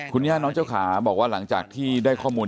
คุณย่าน้องเจ้าขาบอกว่าหลังจากที่ได้ข้อมูล